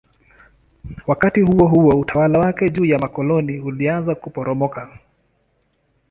Wakati huohuo utawala wake juu ya makoloni ulianza kuporomoka.